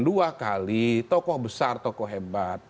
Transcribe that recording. dua kali tokoh besar tokoh hebat